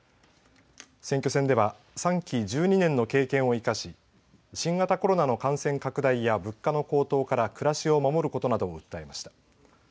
選挙戦では３期１２年の経験を生かし新型コロナの感染拡大や物価の高騰から暮らしを守ることなどを訴えました。